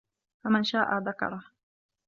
فَمَن شاءَ ذَكَرَهُ